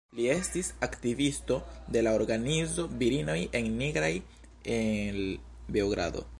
Li estis aktivisto de la organizo Virinoj en Nigraj el Beogrado.